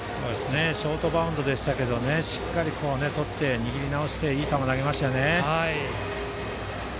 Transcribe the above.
ショートバウンドでしたがしっかりとって、握り直していい球を投げましたよね。